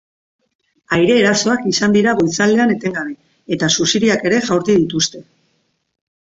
Aire-erasoak izan dira goizaldean etengabe, eta suziriak ere jaurti dituzte.